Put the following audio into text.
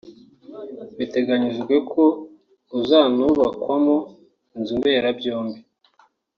Biteganyijwe ko uzanubakwamo inzu mberabyombi